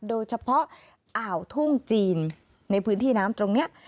โดยเฉพาะอ่าวทุ่งจีนในพื้นที่น้ำตรงนี้